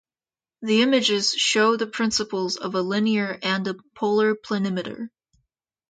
The images show the principles of a linear and a polar planimeter.